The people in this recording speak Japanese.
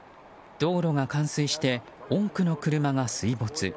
道路が冠水して多くの車が水没。